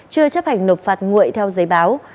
chưa chấp hành nộp phạt nguội theo giấy báo